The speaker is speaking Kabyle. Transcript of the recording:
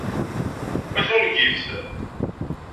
A tungift!